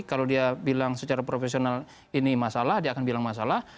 kalau dia bilang secara profesional ini masalah dia akan bilang masalah